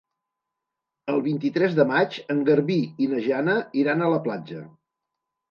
El vint-i-tres de maig en Garbí i na Jana iran a la platja.